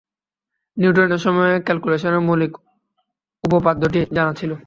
নিউটনের সময়ে ক্যালকুলাসের মৌলিক উপপাদ্যটি জানা ছিল।